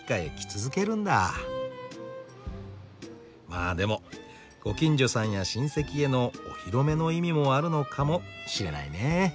まあでもご近所さんや親戚へのお披露目の意味もあるのかもしれないね。